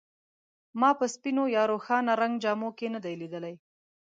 ما په سپینو یا روښانه رنګ جامو کې نه دی لیدلی.